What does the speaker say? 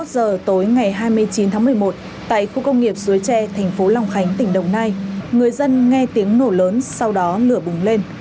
hai mươi giờ tối ngày hai mươi chín tháng một mươi một tại khu công nghiệp suối tre thành phố long khánh tỉnh đồng nai người dân nghe tiếng nổ lớn sau đó lửa bùng lên